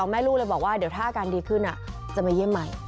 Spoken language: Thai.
แม่ลูกเลยบอกว่าเดี๋ยวถ้าอาการดีขึ้นจะมาเยี่ยมใหม่